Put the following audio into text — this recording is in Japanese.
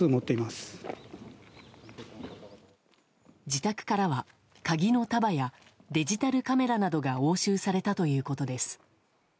自宅からは鍵の束やデジタルカメラなどが押収されたということです。